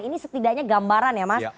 ini setidaknya gambaran ya mas